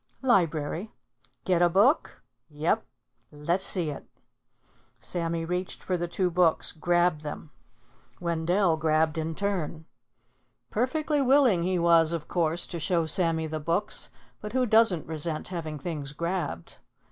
"Library." "Get a book?" "Yep." "Lessee it." Sammy reached for the two books, grabbed them. Wendell grabbed in turn. Perfectly willing he was, of course, to show Sammy the books, but who doesn't resent having things grabbed?